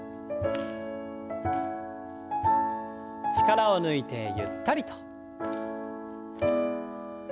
力を抜いてゆったりと。